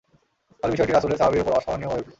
ফলে বিষয়টি রাসূলের সাহাবীর উপর অসহনীয় হয়ে উঠল।